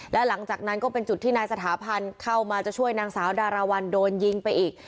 และหลังจากนั้นก็เป็นจุดที่นายสถาพันธ์เข้ามาจะช่วยนางสาวดาราวัลโดนยิงไปอีก